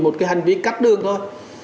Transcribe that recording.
thì cắt đường thôi